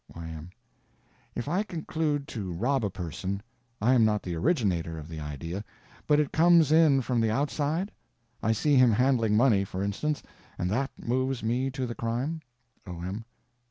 Y.M. If I conclude to rob a person, I am not the _originator _of the idea, but it comes in from the outside? I see him handling money—for instance—and _that _moves me to the crime? O.M.